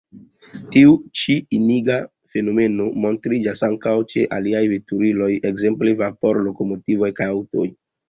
Tiu ĉi iniga fenomeno montriĝas ankaŭ ĉe aliaj veturiloj, ekzemple vapor-lokomotivoj kaj aŭtoj.